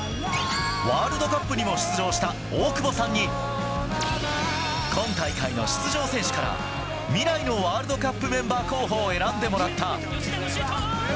ワールドカップにも出場した大久保さんに、今大会の出場選手から、未来のワールドカップメンバー候補を選んでもらった。